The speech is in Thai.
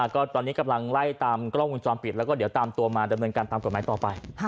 ก็ตอนนี้กำลังไล่ตามกล้องวงจรปิดแล้วก็เดี๋ยวตามตัวมาดำเนินการตามกฎหมายต่อไป